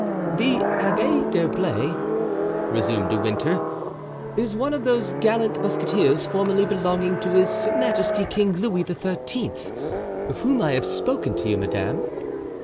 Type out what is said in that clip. "The Abbé d'Herblay," resumed De Winter, "is one of those gallant musketeers formerly belonging to His Majesty King Louis XIII., of whom I have spoken to you, madame."